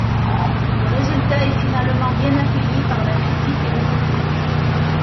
Le résultat est finalement bien accueilli par la critique et le public.